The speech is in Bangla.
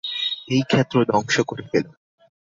এই ক্ষেত্র ধ্বংস করে ফেলো।